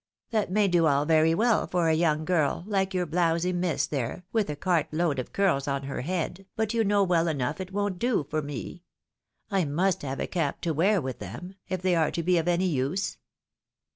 That may do all very well for a young girl, hke your blowsy miss there, with a cart load of curls on her head, but you know well enough it won't do for me ; I must have a cap to wear with them, if they are to be of any use."